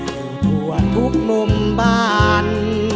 ทั้งตัวทุกมุมบ้าน